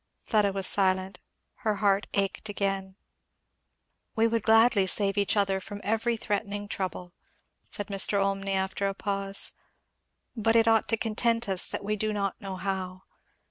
Fleda was silent; her heart ached again. "We would gladly save each other from every threatening trouble," said Mr. Olmney again after a pause; "but it ought to content us that we do not know how.